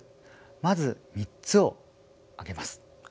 まず３つを挙げます。